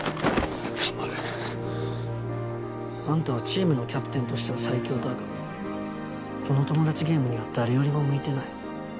黙れ！あんたはチームのキャプテンとしては最強だがこのトモダチゲームには誰よりも向いてない。